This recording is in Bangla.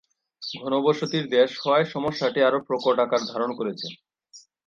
ঘনবসতির দেশ হওয়ায় সমস্যাটি আরও প্রকট আকার ধারণ করেছে।